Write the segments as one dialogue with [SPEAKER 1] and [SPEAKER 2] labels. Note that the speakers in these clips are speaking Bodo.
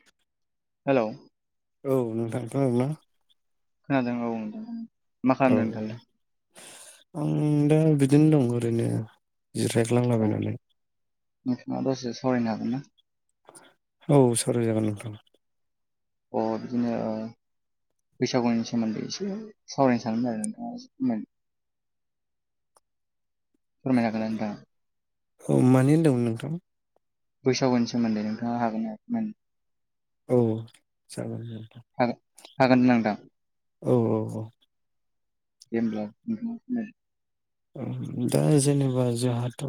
[SPEAKER 1] [inaudible]
[SPEAKER 2] हेल'
[SPEAKER 1] औ नोंथां खोनादोंना
[SPEAKER 2] खोनादों औ नोंथां मा
[SPEAKER 1] औ
[SPEAKER 2] खालामदों नोंथाङालाय
[SPEAKER 1] आं दा बिदिनो दं ओरैनो [unintelligible]
[SPEAKER 2] औ
[SPEAKER 1] जिरायख्लांलाबाय नालाय [unintelligible]
[SPEAKER 2] नोंथाङा दसे सावरायनो हागोन ना
[SPEAKER 1] औ सावराय जागोन नोंथां
[SPEAKER 2] अ बिदिनो बैसागोनि सोमोन्दै एसे सावरायनो सानदोंमोन आरो नोंथाङा फोरमायनो हागोन ना नोंथां
[SPEAKER 1] औ मानि होनदोंंमोन नोंथां
[SPEAKER 2] बैसागोनि सोमोन्दै नोंथाङा हागोना हाया फोरमायनो
[SPEAKER 1] औ जागोन
[SPEAKER 2] हागोन हागोन ना नोंथां
[SPEAKER 1] औ औ औ
[SPEAKER 2] दे अब्ला
[SPEAKER 1] दा जेनेबा जोंहाथ'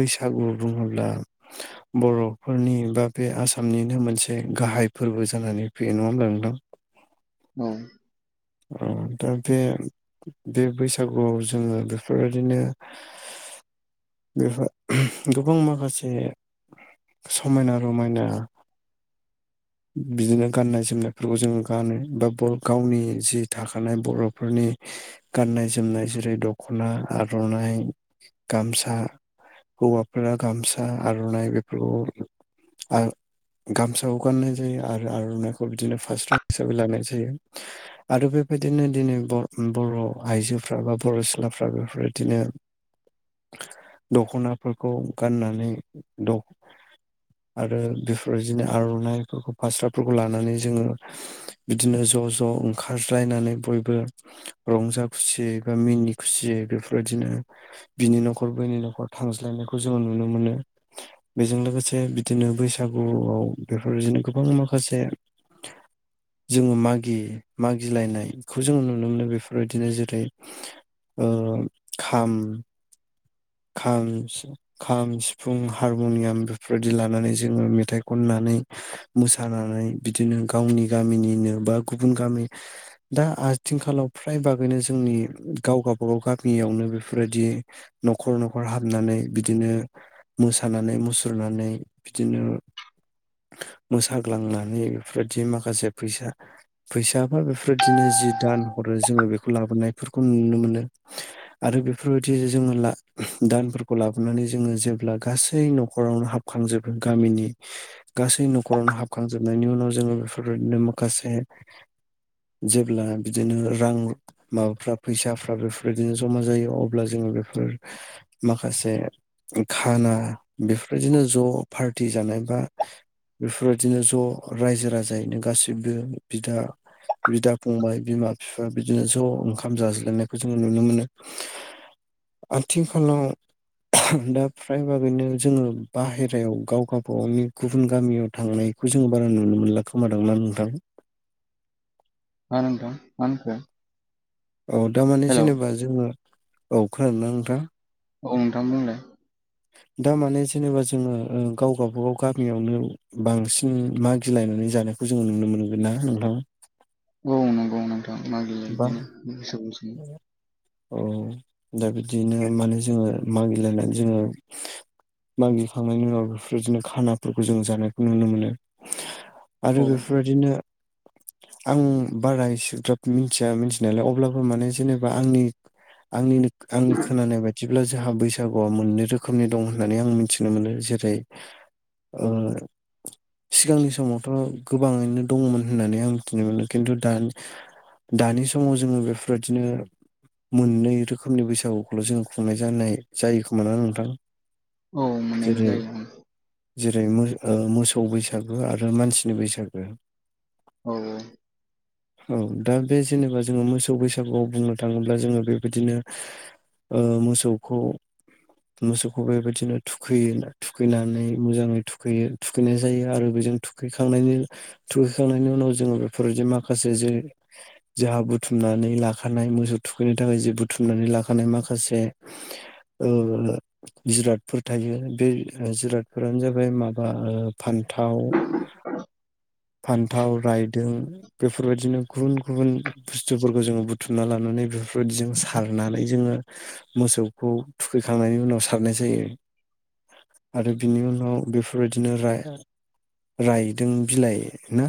[SPEAKER 1] बैसागो बुङोब्ला
[SPEAKER 2] [inaudible]
[SPEAKER 1] बर'फोरनि बा बे आसामनिनो मोनसे गाहाय फोरबो जानानै फैयो नङा होमब्ला नोंथां
[SPEAKER 2] औ
[SPEAKER 1] दा बे बे बैसागोआव जोङो बेफोरबायदिनो बेहाय गोबां माखासे [unintelligible] समायना रमायना बिदिनो गाननाय जोमनायफोरखौ जोङो गानो बा गावनि जि थाखानाय बर'फोरनि गाननाय जोमनाय जेरै दख'ना आर'नाइ गामसा हौवाफोरा गामसा आर'नाइ बेफोरखौ गामसाखौ गाननाय जायो आरो आर'नाइखौ बिदिनो फास्रा हिसाबै लानाय जायो आरो बेबायदिनो दिनै बर बर' आइजोफ्रा बा बर' सिख्लाफ्रा बेफोरबायदिनो
[SPEAKER 2] [inaudible]
[SPEAKER 1] दख'नाफोरखौ गाननानै आरो बेफोरबायदिनो आर'नाइफोरखौ फास्राफोरखौ लानानै जोङो बिदिनो ज' ज' ओं खारज्लायनानै बयबो रंजा खुसियै बा मिनि खुसियै बेफोरबायदिनो बिनि नखर बैनि न'खर थांज्लायनायखौ जोङो नुनो मोनो बेजों लोगोसे बिदिनो बैसागोआव बेफोरबायदिनो गोबां माखासे जोङो मागि मागिलायनायखौ जोङो नुनो मोनो बेफोरबायदिनो जेरै खाम खाम सिफुं खाम सिफुं हारमुनियाम बेफोरबायदि लानानै जोंङो मेथाइ खननानै मोसानानै बिदिनो गावनि गामिनिनो बा गुबुन गामि दा आथिखालाव फ्राय बागैनो जोंनि गाव गावबा गाव गामियावनो बेफोरबायदि न'खर न'खर हाबनानै बिदिनो मोसानानै मुसुरनानै बिदिनो मोसाग्लांनानै बेफोरबायदि माखासे फैसा फैसाबा बेफोरदिनो जि दान हरो जोङो बेखौ लाबोनायफोरखौ नुनो मोनो आरो बेफोरबायदि जोंङो ला दानफोरखौ लाबोनानै जोंङो जेब्ला गासै न'खरावनो हाबखांजोबो गामिनि गासै न'खरावनो हाबखांजोबनायनि उनाव जोङो बेफोरबायदिनो माखासे जेब्ला बिदिनो रां माबाफ्रा फैसाफ्रा बेफोरबायदिनो जमा जायो अब्ला जोङो बेफोर माखासे खाना बेफोरबायदिनो ज' पार्टि जानाय बा बेफोरबायदिनो ज' रायजो राजायैनो गासैबो बिदा बिदा फंबाय बिमा बिफा बिदिनो ज ओंखाम जाज्लायनायखौ जोंङो नुनो मोनो आथिखालाव दा फ्राय भागैनो जोंङो बाहेरायाव गावबागावनि गुबुन गामियाव थांनाय बेखौ जों बारा नुनो मोनला खोमादांना नोंथां
[SPEAKER 2] मा नोंथां मा होनखो
[SPEAKER 1] अ दा माने
[SPEAKER 2] हेलौ
[SPEAKER 1] जेनेबा जोंङो औ खोनादोंना नोंथां
[SPEAKER 2] औ नोंथां बुंलाय
[SPEAKER 1] दा माने जेनेबा जोंङो गाव बागाव गामियावनो बांसिन मागिलायनानै जादों खौ जोंङो नुनो मोनगोनना नोंथां
[SPEAKER 2] औ नंगौ नोंथां मागिला
[SPEAKER 1] बा
[SPEAKER 2] इदिनो [unintelligible]
[SPEAKER 1] औ दा बिदिनो माने जोंङो मागिलायनानै जोंङो मागिखांनायनि उनाव बेफोरबायदिनो खानाफोरखौ जों जानायखौ नुनो मोनो आरो
[SPEAKER 2] औ
[SPEAKER 1] बेफोरबायदिनो आं बारा एसेग्राब मिथिया मिथिनायालाय अब्ला बो माने जेनेबा आंनि आंनि खोनानाय बायदि ब्ला जोंहा बैसागुआ मोननै रोखोमनि दं होननानै आं मिथिनो मोनो जेरै ओ सिगांनि समावथ गोबाङैनो दंङोमोन होननानै आं मिथिनो मोनो खिन्थु दानि दानि समाव जोंङो बेफोरबायदिनो मोननै रोखोमनि बैसागुखौल जोङो खुंनाय जानाय जायो खोमाना नोंथां
[SPEAKER 2] औ मोननायल'
[SPEAKER 1] जेरै
[SPEAKER 2] जायो
[SPEAKER 1] जेरै मो ओ मोसौ बैसागो आरो मानसिनि बैसागो
[SPEAKER 2] औ औ
[SPEAKER 1] औ दा बे जेनेबा जोंङो मोसौ बैसा गुआव बुंनो थांङोब्ला जोंङो बेबायदिनो मोसौखौ मोसौखौ बेबायदिनो थुखैयो थुखैनानै मोजांङै थुखैयो थुखैनाय जायो आरो बेजों थुखैखांनायनि थुखैखांनायनि उनाव जोंङो बेफोरबायदि माखासे जे जोंहा बुथुमनानै ला खानाय मोसौ थुखैनो थाखाय जे बुथुमनानै लाखानाय माखासे ओ जिरादफोर थायो बे जिरादफोरानो जाबाय माबा ओ फान्थाव फान्थाव रायदों बेफोरबायदिनो गुबुन गुबुन बुस्थुफोरखौ जोंङो बु थुमना लानानै बेफोरबायदिजों सारनानै जोंङो मोसौखौ थुखैखांनायनि उनाव सारनाय जायो आरो बिनि उनाव बेफोरबायदिनो राय रायदों बिलाइ ना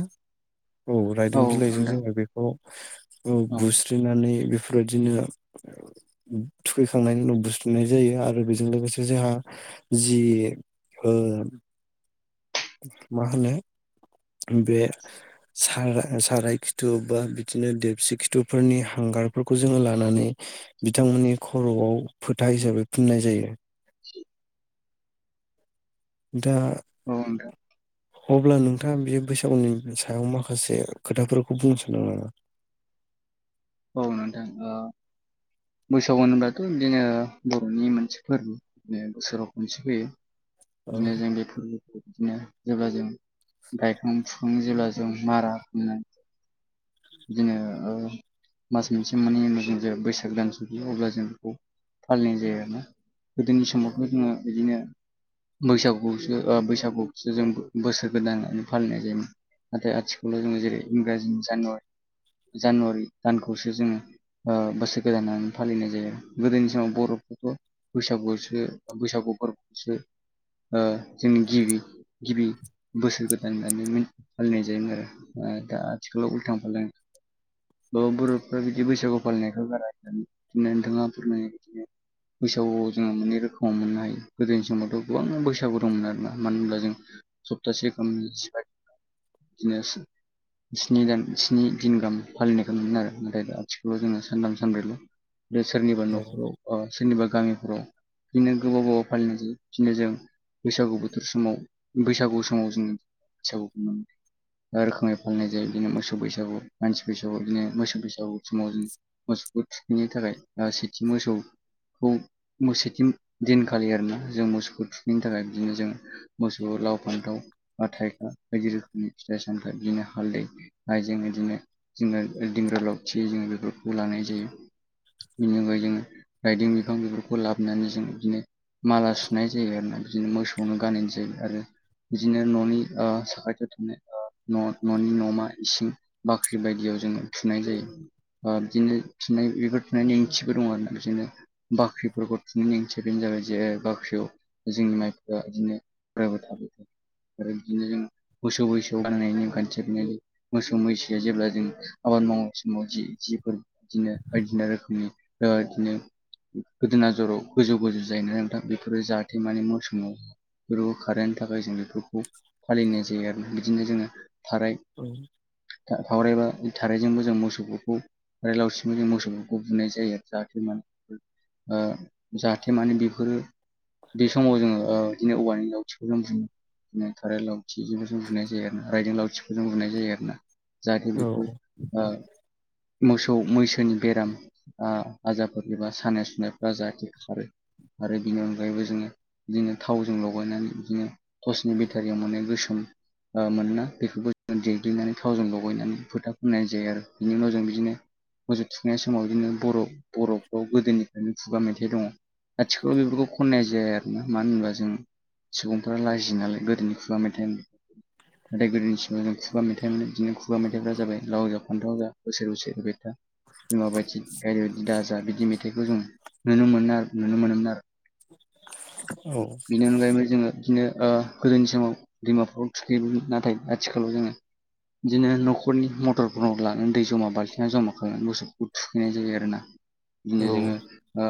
[SPEAKER 1] औ रायदों बिलाइजों जोङो बेखौ
[SPEAKER 2] औ
[SPEAKER 1] बु स्रिनानै बेफोरबायदिनो थुखैखांनायनि उनाव बुस्रोनाय जायो आरो बेजों लोगोसे जोंहा जि ओ मा होनो बे सार साराय खिथु बा बिदिनो देबसि खिथु फोरनि हांगारफोरखौ जोङो लानानै बिथांमोननि खरआव फोथा हिसाबै फुननाय जायो दा
[SPEAKER 2] औ नोंथां
[SPEAKER 1] अब्ला नोंथाङा बे बैसागुनि सायाव माखासे खोथाफोरखौ बुंनो सानदों नामा
[SPEAKER 2] औ नोंथां बैसाग होनब्लाथ बिदिनो बर'नि मोनसे फोरबो बे बोसोराव खनसे फैयो
[SPEAKER 1] औ
[SPEAKER 2] बिदिनो जों बेफोर बिदिनो जेब्ला जों गायखां फुखां जेब्ला जों मारा होखांनाय बिदिनो ओ मास मोनसे मोननैनि उनाव जों जे बैसाग दान सोफैयो अब्ला जों बेखौ फालिनाय जायो आरोना गोदोनि समावथ जोङो बिदिनो बैसागुसो बैसागुखौसो जों बोसोर गोदानानो फालिनाय जायोमोन। नाथाय आथिखालाव जोङो जेरै इंराजिनि जानुवारि जानुवारि दानखौसो जोङो ओ बोसोर गोदान फालिनाय जायो गोदोनि समाव बर'फोरखौ बैसागुआवसो बैसागु फोरबोआवसो ओ जोंनि गिबि गिबि बोसोर गोदान होननानै माने फालिनाय जायोमोन आरो ओ दा आथिखालाव उलथां फालथां माने बर'फ्रा बिदि बैसागु फालिनायखौ बारा [unintelligible] बिदिनो नोंथाङा फोरमायनाय बादिनो। बैसागुआव जोङो मोननै रोखोमाव मोननो हायो गोदोनि समावथ' गोबां बैसागु दंमोन आरोना मानो होनब्ला जों सप्तासेगामनि [unintelligible] बिदिनो स्नि दान स्नि दिन गाहाम फालिनायखौ मोनो आरो ओमफाय दा आथिखालाव जोङो सानथाम सानब्रैल' बा सोरनिबा
[SPEAKER 1] औ
[SPEAKER 2] नखराव अ सोरनिबा गामिफोराव बिदिनो गोबाव गोबाव फालिनाय जायो बिदिनो जों बैसागु बोथोर समाव बैसागु समाव जोङो बैसागुखौ मा रोखोमै खुंनाय जायो बे मोसौ बैसागु मानसि बैसागुआव इदिनो मोसौ बैसागु समाव मोसौखौ थुखैनो थाखाय ओ सेथि मोसौ खौ उम सेथि दिनखालि आरोना जों मोसौखौ थुखैनो थाखाय बिदिनो जों मोसौ लाव फान्थाव बा थाइखा बायदि रोखोमनि फिथाइ सामथाइ बिदिनो हालदै हाइजें बिदिनो जोना दिंग्रा लावथि जों बेफोरखौ लानाय जायो। बिनि अनगायै जोङो राइदों बिफां बेफोरखौ लाबोनानै जों बिदिनो माला सुनाय जायो आरोना बिदिनो मोसौनो गाननाय जायो आरो बिदिनो न'नि ओ साखाथियाव ओ न'नि न'मा इसिं बाख्रि बायदियाव जोङो थुनाय जायो। ओ बिदिनो थुनाय बेफोर थुनायनि ओंथिफोर दं आरोना बिदिनो बाख्रिफोरखौ थुनायनि ओंथिया बेनो जाबाय जे बाख्रियाव जोंनि माइफ्रा इदिनो बारायबाय थादो। आरो बिदिनो जों मोसौ मैसो गाननाय नेम खान्थिया बेनो मोसौ मैसो जेब्ला जों आबाद मावनाय समाव जि जिफोर इदिनो बायदिना रोखोमनि ओ इदिनो गोदोना जराव गोजौ गोजौ जायोना नोंथां बेफोरो जाहाथे माने मोसौनाव बेबो खारेंनि थाखाय जों बेफोरखौ फालिनाय जायो आरो बिदिनो जोङो थाराइ
[SPEAKER 1] उम
[SPEAKER 2] खावरायबा थाराइजोंबो जों मोसौफोरखौ थाराइ लावसिजों मोसौफोरखौ बुनाय जायो जाहाथे माने ओ जाहाथे माने बेफोरो बे समाव जोङो ओ इदिनो औवानि लावथिखौ जों [unintelligible] बुङो। बिदिनो थाराइ लावथिजों जों बुनाय जायो आरोना राइदों लावथिफोरजों बुनाय जायो आरोना। जाहाथे
[SPEAKER 1] औ
[SPEAKER 2] बेखौ ओ मोसौ मैसोनि बेराम ओ आजारफोर एबा सानाय सुनायफ्रा जाहाथे खारो आरो बिनि अनगायैबो जोङो बिदिनो थावजों लगायनानै बिदिनो टर्सनि बेटारियाव माने गोसोम ओ मोनोना बेफोरखौ जों देग्लिनानै थावजों लगायनानै फोथा फोनाय जायो आरो बिनि उनाव जों बिदिनो मोसौ थुखैनाय समाव इदिनो बर' बर'फ्राव गोदोनिफ्रायनो खुगा मेथाइ दङ। आथिखालाव बेफोरखौ खननाय जाया आरोना मानो होनबा जों सुबुंफोरा लाजियो नालाय गोदोनि खुगा मेथाइनि नाथाय गोदोनि समाव जों खुगा मेथा इ बिदिनो खुगा मेथाइफोरा जाबाय लाव जा फान्थाव जा बोसोर बोसोर एरबाय था। बिमाबायदि गायदे दा जा बिदि मेथाइखौ जों नुनो मोनो आरो नुनो मोनोमोन आरो।
[SPEAKER 1] औ
[SPEAKER 2] बेनि अनगायैबो जोङो इदिनो ओ गोदोनि समाव दैमाफ्राव थुखैयोमोन नाथाय आथिखालाव जोङो बिदिनो नखरनि मटरफोराव लानानै दै जमा बाल्थिङाव जमा खालामनानै मोसौफोरखौ थुखैनाय जायो आरोना। बिदिनो
[SPEAKER 1] औ
[SPEAKER 2] जोङो ओ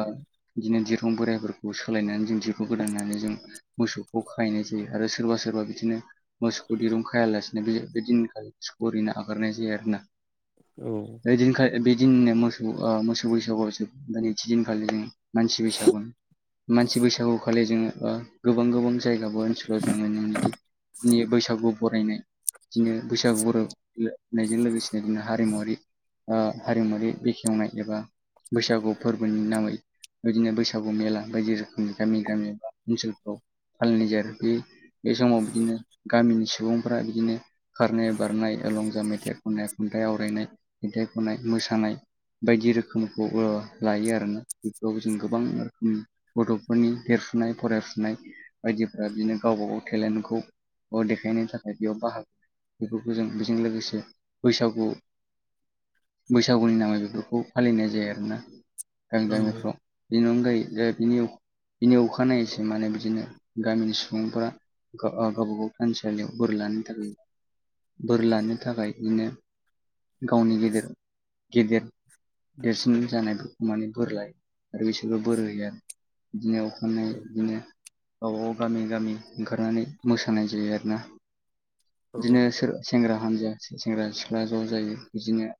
[SPEAKER 2] बिदिनो दिरखं बोराइफोरखौ सोलायनानै जों दैहु गोदान दानायजों मोसौखौ खाहैनाय जायो आरो सोरबा सोरबा बिदिनो मोसौखौ दिरुं खायालासिनो बेदिनो मोसौखो ओरैनो हागारनाय जायो आरोना
[SPEAKER 1] औ
[SPEAKER 2] बेदिनखालि बेदिननो मोसौ मोसौ बैसागुआव जोबनानै दिनै थि दिनखालि जों मानसि बैसागु मानसि बैसागु खालि जोङो बा गोबां गोबां जायगाबो ओनसोलाव जोङो नोंनिदि नि बैसागु बरायनाय बिदिनो बैसागु बरायनायजों लोगोसेनो जों हारिमुवारि हारिमुवारि बेखेवनाय एबा बैसागु फोरबोनि नामै बिदिनो बैसागु मेला बायदि रोखोमनि गामि गामि बा ओनसोलफ्राव फालिनाय जायो बे बे समाव बिदिनो गामिनि सुबुंफ्रा बिदिनो खारनाय बारनाय लंजाम मेथाइ खननाय खन्थाइ आवरायनाय मेथाइ खननाय मोसानाय बायदि रोखोमखौ लायो आरोना बेफोराव जों गोबां रोखोमनि गथ'फोरनि देरसुनाय फरायसुनाय बायदिफोरा बिदिनो गावबा गाव टेलेन्टखौ अ देखानानि थाखाय बेयाव बाहागो बेफोरखौ जों बेजों लोगोसे बैसागु बैसागुनि नामै बेफोरखौ फालिनाय जायो आरोना गामि गामिफ्राव बेनि अनगायै बिनि बिनि अखानायैसै माने बिदिनो गामिनि सुबुंफोरा गावबा गाव थानसालियाव बोर लानो थाखाय बोर लानो थाखाय बिनोङो गावनि गेदेर गेदेर देरसिन जानायफोरखौ माने बोरलाय आरो बिसोरबो बोर होया बिदिनो अखानायै बिदिनो औ गामि गामि ओंखारनानै मोसानाय जायो आरोना
[SPEAKER 1] औ
[SPEAKER 2] बिदिनो सोर सेंग्रा हानजा सेंग्रा सिख्ला ज' जायो बिदिनो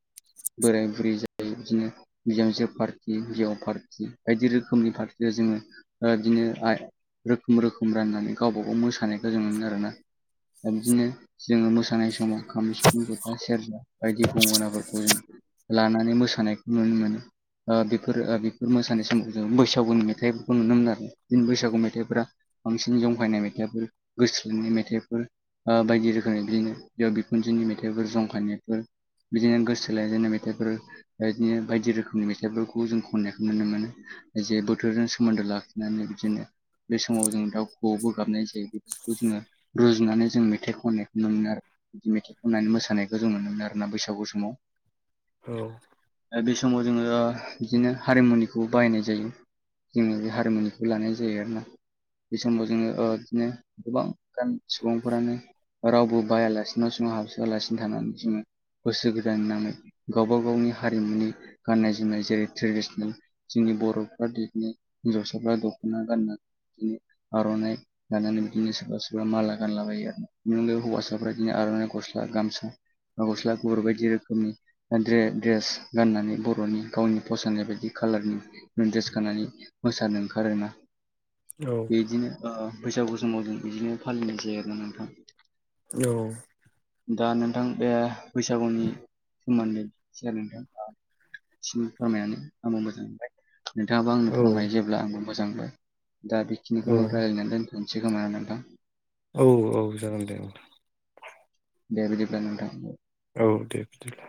[SPEAKER 2] बोराय बुरै जायो बिदिनो बिजामजो पार्टि हिाव पार्टि बायदि रोखोमनि पार्टियाव जोङो बिदिनो रोखोम रोखोम राननानै गावबा गाव मोसानाय जों मोनो आरोना दा बिदिनो जोङो मोसानाय समाव ओंखाम गथा सेरजा बायदि गंगनाफोरखौ जों लानानै मोसानायखौ नुनो मोनो ओ बेफोर बेफोर मोसानाय समाव जों बैसागुनि मेथाइफोरखौ नुनो मोनो आरो बिदिनि बैसागु मेथाइफोरा बांसिन जंखायनाय मेथाइफोर गोसो थोलायनाय मेथाइफोर बायदि रोख बिदिनो बेयाव बिखुनजोनि मेथाइफोर जंखानायफोर बिदिनो गोसो थोलाय जेननाय मेथाइफोर बेदिनो बायदि रोखोमनि मेथाइफोरखौ जों खननायखौ नुनो मोनो जे बोथोरजों सोमोन्दो ला खिनानै बिदिनो बे समाव जों दाउ बो गाबनाय जायो बेफोरखौ जोङो रुजुनानै जों मेथाइ खननो नुनो मोनो आरो बिदि मेथाइ खननानै मोसानायखौ जों नुनो मोनो आरो ना बैसागु समाव
[SPEAKER 1] औ
[SPEAKER 2] बे समाव जोङो बिदिनो हारिमुनिखौ बाहायनाय जायो जोङो बे हारिमुनिखौ लानाय जायो आरोना बे समाव जोङो बिदिनो गोबां गा सुबुंफोरानो रावबो बायालासिनो जोङो हाबसोआलासिनो थानानै जोङो गोसो गोदाननानै गावबा गावनि हारिमुनि गाननाय जोमनाय जेरै ट्रेडिसनेल जोंनि बर'फ्रानो हिनजावसाफ्रा दख'ना गान बिदिनो आर'नाइ लानानै बिदिनो सोरबा सोरबा माला गानलाबायो आरो बिनि अनगै हौवासाफ्रा बिदि आर'नाइ गस्ला गामसा बा गस्ला गुफुर बायदि रोखोमनि दड्रेस गाननानै बर'नि गावनि फसायनाय बायदि खालारनि द्रेस गाननानै मोसानो ओंखारोना
[SPEAKER 1] औ
[SPEAKER 2] बेदिनो बैसागु समाव जों बिदिनो फालिनाय जायो आरोना नोंथां
[SPEAKER 1] औ
[SPEAKER 2] दा नोंथां बे बैसागोनि सोमोन्दै नोंथां [unintelligible] आंबो [unintelligible] मोजां मोनबाय नोंथाङाबो आंनो
[SPEAKER 1] औ
[SPEAKER 2] फोरमनाय जेब्ला आंबो मोजां दा
[SPEAKER 1] औ
[SPEAKER 2] बेखिनिखौनो रायजलायनानै दोन [unintelligible] [unintelligible]
[SPEAKER 1] औ औ जागोन दे
[SPEAKER 2] दे बिदिब्ला नोंथां
[SPEAKER 1] औ दे बिदिब्ला